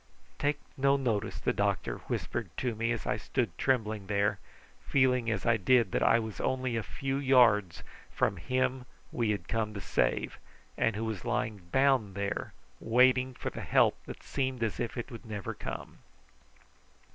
"Take no notice," the doctor whispered to me, as I stood trembling there, feeling as I did that I was only a few yards from him we had come to save, and who was lying bound there waiting for the help that seemed as if it would never come.